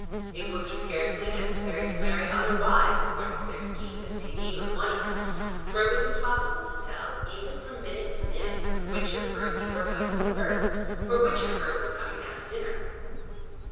It would be scarcely necessary to marry other wives, according to their scheme, if Nadine was one of them, for it was impossible to tell even from minute to minute with which of her you were about to converse, or which of her was coming down to dinner.